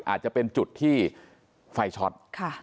อาจจะเป็นจุดที่ไฟช็อต